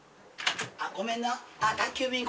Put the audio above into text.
ごめんな。